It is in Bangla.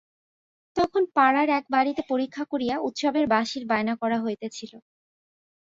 তখন পাড়ার এক বাড়িতে পরীক্ষা করিয়া উৎসবের বাঁশির বায়না করা হইতেছিল।